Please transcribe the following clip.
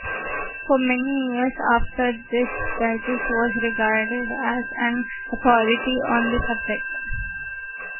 For many years after, this Digest was regarded as an authority on the subject.